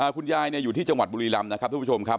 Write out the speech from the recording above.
คุณยายอยู่ที่จังหวัดบุรีรำนะครับทุกผู้ชมครับ